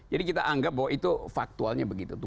jadi kita anggap bahwa itu faktualnya begitu